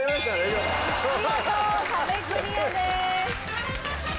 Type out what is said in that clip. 見事壁クリアです。